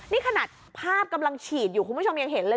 นี่ขนาดภาพกำลังฉีดอยู่คุณผู้ชมยังเห็นเลย